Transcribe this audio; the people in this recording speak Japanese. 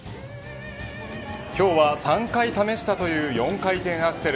今日は３回試したという４回転のアクセル。